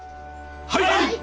はい！